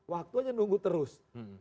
waktunya menunggu terus